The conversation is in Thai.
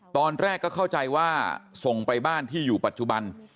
ตอนแรกก็เข้าใจว่าส่งไปบ้านที่อยู่ปัจจุบัน